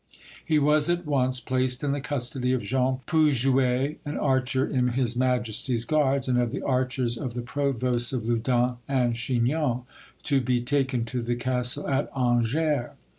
He was at once placed in the custody of Jean Pouguet, an archer in His Majesty's guards, and of the archers of the provosts of Loudun and Chinon, to be taken to the castle at Angers.